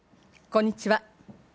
こんにちは。